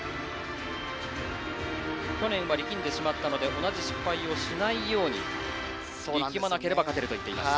去年は力んでしまったので同じ失敗をしないように。力まなければ勝てると言っています。